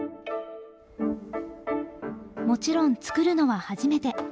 もちろん作るのは初めて。